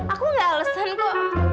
aku gak alesan kok